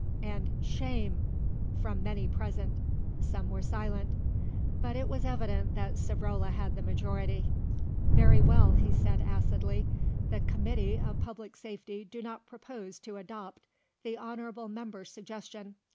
and "Shame!" from many present. Some were silent; but it was evident that Savrola had the majority. "Very well," he said acidly; "the Committee of Public Safety do not propose to adopt the honourable member's suggestion.